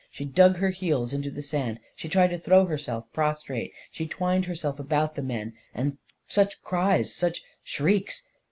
She dug her heels into the sand, she tried to throw herself prostrate, she twined herself about the men — and such cries, such shrieks